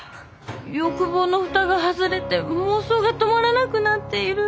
欲望の蓋が外れて妄想が止まらなくなっている。